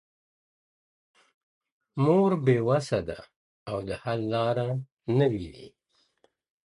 o مور بې وسه ده او د حل لاره نه ويني,